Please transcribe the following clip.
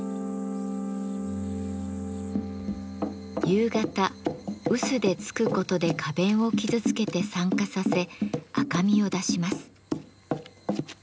夕方うすでつくことで花弁を傷つけて酸化させ赤みを出します。